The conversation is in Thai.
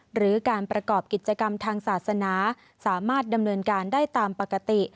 หรือการประกอบกิจกรรมทางศาสนาสามารถดำเนินการได้ตามปกติ